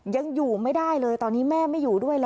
ยังอยู่ไม่ได้เลยตอนนี้แม่ไม่อยู่ด้วยแล้ว